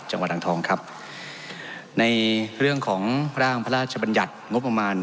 จังหวัดอ่างทองครับในเรื่องของร่างพระราชบัญญัติงบประมาณ